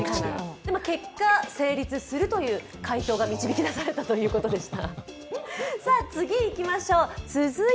でも結果、成立するという解答が導き出されたということでした。